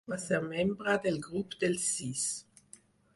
Va ser membre del Grup dels Sis.